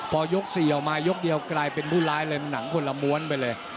พอยก๔ออกมายกเดียวกลายเป็นผู้ร้ายเลยหนังคนละม้วนไปเลย